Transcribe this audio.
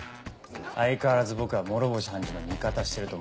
相変わらず僕が諸星判事の味方してると思ってるんでしょ。